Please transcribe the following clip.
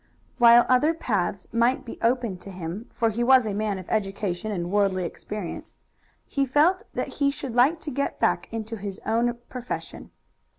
While other paths might be open to him, for he was a man of education and worldly experience, he felt that he should like to get back into his own profession.